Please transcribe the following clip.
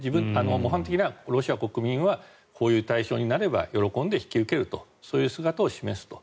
模範的なロシア国民はこういう対象になれば喜んで引き受けるとそういう姿を示すと。